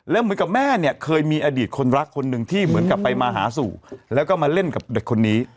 แล้วเหมือนกับแม่เนี่ยเคยมีอดีตคนรักคนหนึ่งที่เหมือนกับไปมาหาสู่แล้วก็มาเล่นกับเด็กคนนี้